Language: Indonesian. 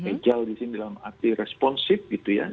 agil di sini dalam arti responsif gitu ya